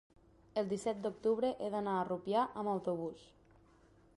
el disset d'octubre he d'anar a Rupià amb autobús.